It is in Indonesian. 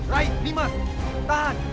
rayi nimas tahan